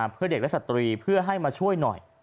เพื่อเด็กและสตรีเพื่อให้มาช่วยหน่อย